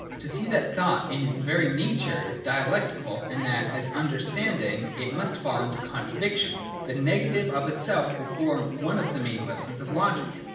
To see that thought in its very nature is dialectical, and that, as understanding, it must fall into contra II I2.] THE PHILOSOPHIC STIMULUS. 19 diction, — the negative of itself, will form one of the main lessons of logic.